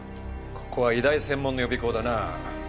ここは医大専門の予備校だな。